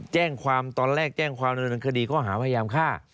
แจ้งความตอนแรกแจ้งความดำเนินคดีข้อหาพยายามฆ่า